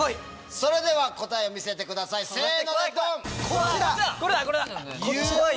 それでは答えを見せてくださいせのでドン！